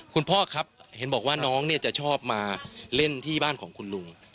คุณพ่อครับเห็นบอกว่าน้องเนี่ยจะชอบมาเล่นที่บ้านของคุณลุง